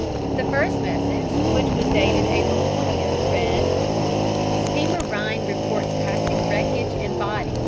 The first message, which was dated April 20th, read: "Steamer Rhein reports passing wreckage and bodies 42.